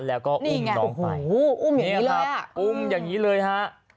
แล้วก็อุ้มน้องไปนี่ไงโอ้โหอุ้มอย่างนี้เลยอ่ะนี่ครับอุ้มอย่างนี้เลยฮะ